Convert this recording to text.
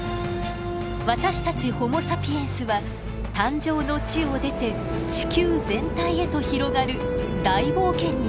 私たちホモ・サピエンスは誕生の地を出て地球全体へと広がる大冒険に挑みました。